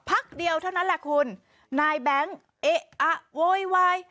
พักเดียวเท่านั้นแหละคุณนายแบงค์เอ๊ะอะโวยวาย